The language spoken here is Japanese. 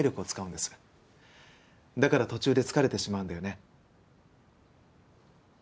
だから途中で疲れてしまうんだよね？